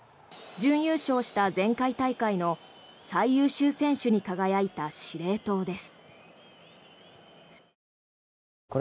準優勝した前回大会の最優秀選手に輝いた司令塔です。